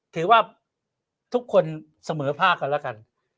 ถือว่าทุกคนเสมอภาคกันแล้วกัน